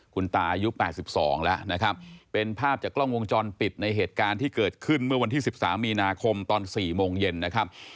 คุณตาอายุ๘๒แล้วนะครับเป็นภาพจากกล้องวงจรปิดในเหตุการณ์ที่เกิดขึ้นเมื่อวันที่๑๓มีนาคมตอน๔โมงเย็นนะครับ